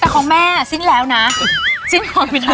แต่ของแม่สิ้นแล้วนะสิ้นความไม่ได้